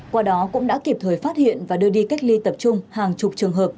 qua đó cũng đã kịp thời phát hiện và đưa đi cách ly tập trung hàng chục trường hợp